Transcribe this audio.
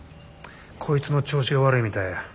こいつの調子が悪いみたいや。